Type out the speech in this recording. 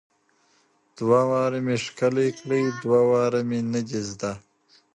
دوه وارې مې ښکلې کړې، دوه وارې مې نه دي زده